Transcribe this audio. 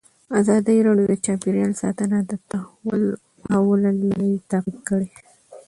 ازادي راډیو د چاپیریال ساتنه د تحول لړۍ تعقیب کړې.